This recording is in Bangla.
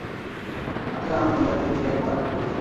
কাছে দাঁড়ানো মহিলাদের দিকে একবার চোখ বুলায়।